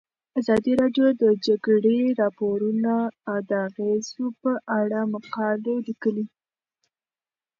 ازادي راډیو د د جګړې راپورونه د اغیزو په اړه مقالو لیکلي.